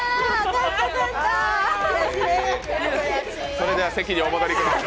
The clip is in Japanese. それでは席にお戻りください。